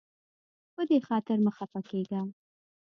په دې خاطر مه خفه کیږه.